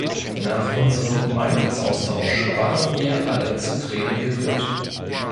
Nach unserem Meinungsaustausch waren wir alle zu Tränen gerührt.